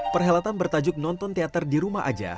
perhelatan bertajuk nonton teater dirumah aja